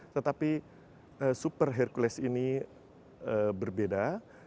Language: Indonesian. tetapi super hercules ini berbeda